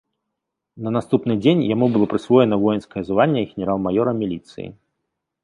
На наступны дзень яму было прысвоена воінскае званне генерал-маёра міліцыі.